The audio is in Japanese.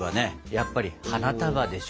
やっぱり花束でしょ。